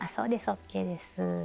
ＯＫです。